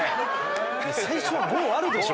最初は５あるでしょ。